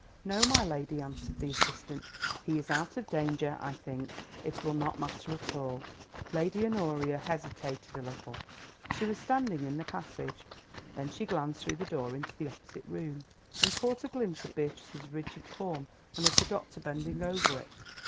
"No, my lady," answered the assistant, "he is out of danger, I think; it will not matter at all." Lady Honoria hesitated a little; she was standing in the passage. Then she glanced through the door into the opposite room, and caught a glimpse of Beatrice's rigid form and of the doctor bending over it.